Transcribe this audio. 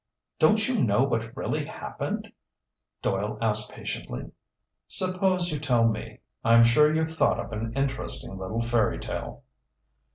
"Don't you know what really happened?" Doyle asked patiently. "Suppose you tell me. I'm sure you've thought up an interesting little fairy tale!"